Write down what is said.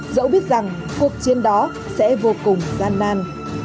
dẫu biết rằng cuộc chiến đó sẽ vô cùng gian nan